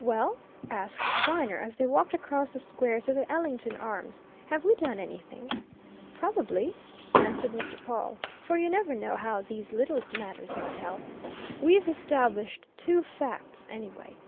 "Well?" asked Viner as they walked across the square to the Ellington Arms. "Have we done anything?" "Probably!" answered Mr. Pawle. "For you never know how these little matters might help. We've established two facts, anyway.